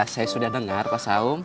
saya sudah dengar pak saung